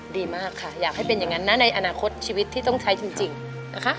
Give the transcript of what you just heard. ดีมากค่ะอยากให้เป็นอย่างนั้นนะในอนาคตชีวิตที่ต้องใช้จริงนะคะ